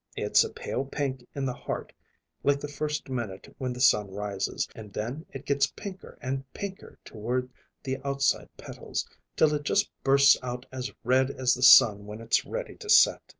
It's a pale pink in the heart like the first minute when the sun rises; and then it gets pinker and pinker toward the outside petals, till it just bursts out as red as the sun when it's ready to set."